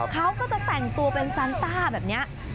เขาก็จะแต่งตัวเป็นซันต้าแบบนี้